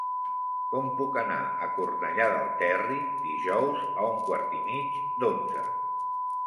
Com puc anar a Cornellà del Terri dijous a un quart i mig d'onze?